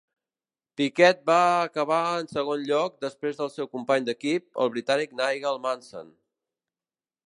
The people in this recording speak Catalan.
Piquet va acabar en segon lloc després del seu company d'equip, el britànic Nigel Mansell.